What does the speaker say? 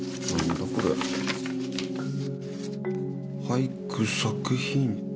『俳句作品展』。